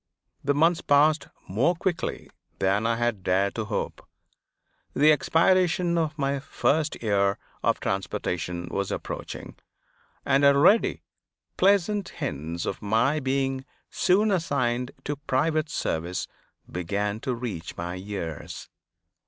The months passed more quickly than I had dared to hope. The expiration of my first year of transportation was approaching, and already pleasant hints of my being soon assigned to private service began to reach my ears.